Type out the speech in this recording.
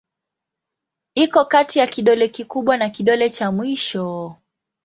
Iko kati ya kidole kikubwa na kidole cha mwisho.